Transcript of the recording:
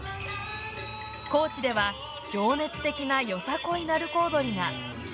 高知では、情熱的なよさこい鳴子踊りが。